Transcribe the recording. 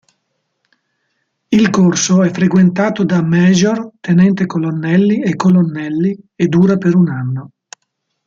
Il corso è frequentato da major, tenente-colonnelli e colonnelli e dura per un anno.